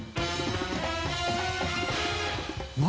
何？